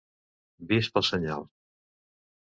vist pel senyal.